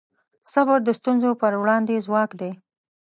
صبر د ستونزو پر وړاندې ځواک دی.